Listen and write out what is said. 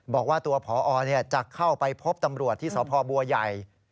บอกว่าตัวพอจะเข้าไปพบตำรวจที่สพบัวใหญ่